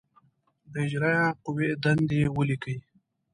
د اجرائیه قوې دندې ولیکئ.